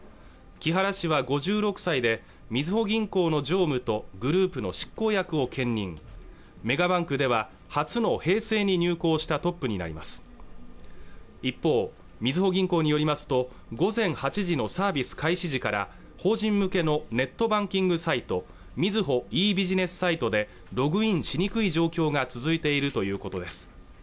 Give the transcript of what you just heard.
木原氏は５６歳でみずほ銀行の常務とグループの執行役を兼任メガバンクでは初の平成に入行したトップになります一方みずほ銀行によりますと午前８時のサービス開始時から法人向けのネットバンキングサイトみずほｅ−ビジネスサイトでログインしにくい状況が続いているということです